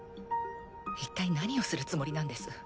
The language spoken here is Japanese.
一体何をするつもりなんです？